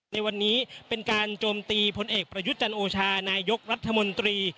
ในวันนี้เป็นการโจมตีพลเอกประยุทธ์จันโอชานายกรัฐมนตรี